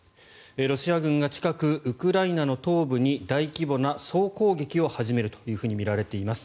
ロシア軍が近くウクライナの東部に大規模な総攻撃を始めるとみられています。